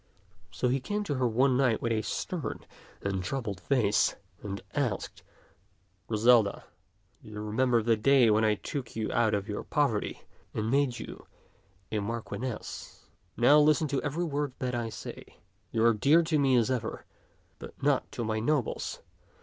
So he came to her one night with a stern and troubled face, and asked, *' Griselda, do you 148 t^^ Ckxk'0 tak remember the day when I took you out of your pov erty and made you a marchioness ? Now listen to every word that I say. You are dear to me as ever, but not to my nobles.